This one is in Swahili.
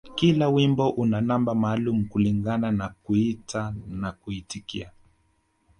Kila wimbo una namba maalum kulingana na kuita na kuitika